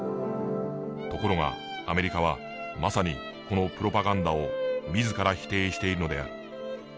ところがアメリカはまさにこのプロパガンダを自ら否定しているのである。